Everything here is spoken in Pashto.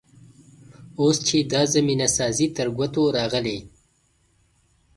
اوس چې دا زمینه سازي تر ګوتو راغلې.